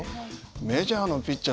メジャーのピッチャー